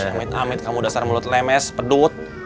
amit amit kamu dasar mulut lemes pedut